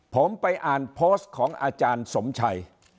ผมไปอ่านโพสต์ของอาจารย์สมชัย